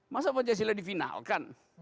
masa pancasila divinalkan